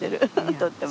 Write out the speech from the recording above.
とっても。